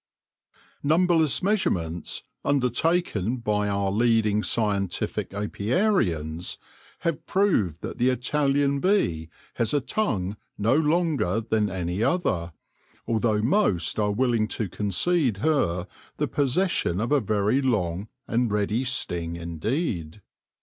Numberless WHERE THE BEE SUCKS 153 measurements undertaken by our leading scientific apiarians have proved that the Italian bee has a tongue no longer than any other, although most are willing to concede her the possession of a very long and ready sting indeed.